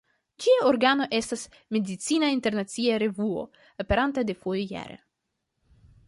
Ĝia organo estas "Medicina Internacia Revuo", aperanta dufoje jare.